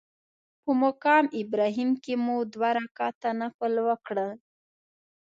په مقام ابراهیم کې مو دوه رکعته نفل وکړل.